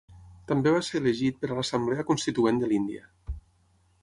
També va ser elegit per a l'Assemblea constituent de l'Índia.